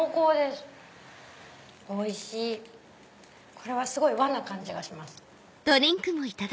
これはすごい和な感じがします。